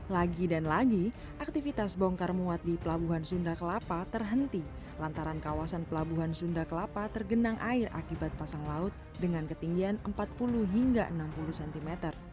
lagi dan lagi aktivitas bongkar muat di pelabuhan sunda kelapa terhenti lantaran kawasan pelabuhan sunda kelapa tergenang air akibat pasang laut dengan ketinggian empat puluh hingga enam puluh cm